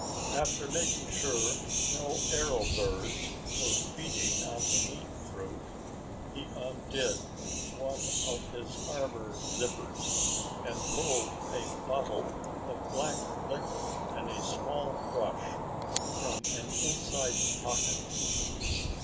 After making sure no arrow birds were feeding on the meat fruit, he undid one of his armor zippers and pulled a bottle of black liquid and a small brush from an inside pocket.